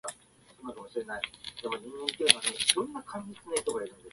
光の色に見立てて、音の周波数の偏り具合によってホワイトノイズ、ピンクノイズ、ブラウンノイズなどといわれる。